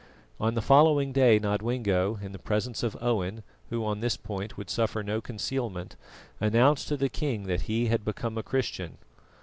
On the following day Nodwengo, in the presence of Owen, who on this point would suffer no concealment, announced to the king that he had become a Christian.